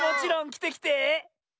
きてきて。